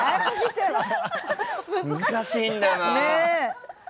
難しいんだよな。